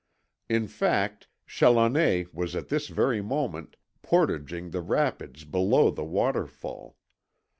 In fact, Challoner was at this very moment portaging the rapids below the waterfall.